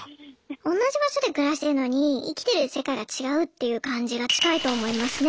おんなじ場所で暮らしてんのに生きてる世界が違うっていう感じが近いと思いますね。